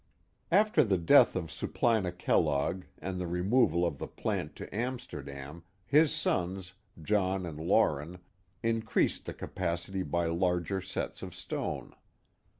After the death of Supplina Kellogg and the removal of the plant to Amsterdam, his sons, John and Lauren, increased the capacity by larger sets of stone.